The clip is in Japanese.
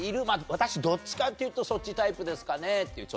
私どっちかっていうとそっちタイプですかねっていう。